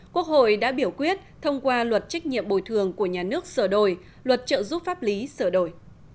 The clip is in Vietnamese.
quốc hội đã biểu quyết thông qua luật trách nhiệm bồi thường của nhà nước sửa đổi luật trợ giúp pháp lý sửa đổi